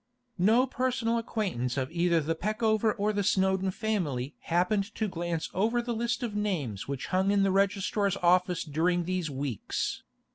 No personal acquaintance of either the Peckover or the Snowdon family happened to glance over the list of names which hung in the registrar's office during these weeks.